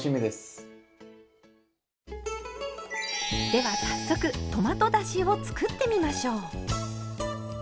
では早速トマトだしを作ってみましょう。